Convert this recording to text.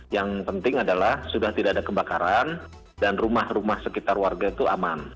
yang penting adalah sudah tidak ada kebakaran dan rumah rumah sekitar warga itu aman